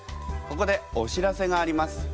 ここでお知らせがあります。